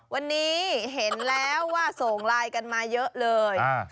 วันนี้เห็นแล้วว่าส่งไลน์กันมาเยอะเลย